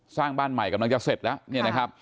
สร้างบ้านใหม่กำลังจะเสร็จแล้ว